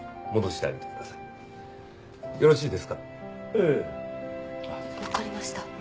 ええ。わかりました。